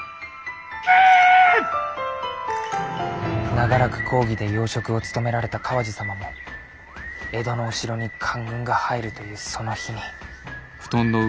長らく公儀で要職を務められた川路様も江戸の御城に官軍が入るというその日に。